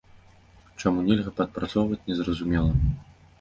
Чаму нельга падпрацоўваць, незразумела.